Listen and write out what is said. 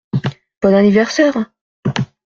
Bon anniversaire !